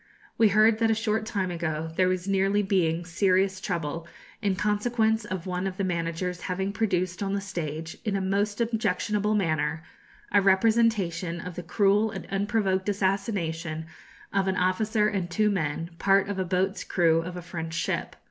We heard that a short time ago there was nearly being serious trouble, in consequence of one of the managers having produced on the stage, in a most objectionable manner, a representation of the cruel and unprovoked assassination of an officer and two men, part of a boat's crew of a French ship.